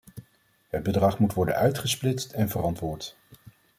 Het bedrag moet worden uitgesplitst en verantwoord.